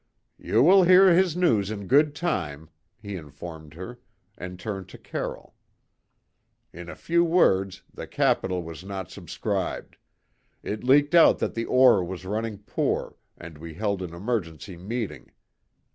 "Ye will hear his news in good time," he informed her, and turned to Carroll. "In a few words, the capital wasna subscribed; it leaked out that the ore was running poor and we held an emergency meeting.